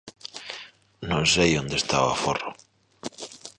Non sei onde está o aforro.